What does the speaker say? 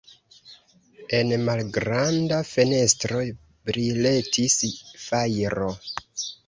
En malgranda fenestro briletis fajro.